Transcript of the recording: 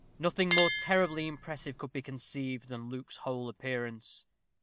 Nothing more terribly impressive could be conceived than Luke's whole appearance.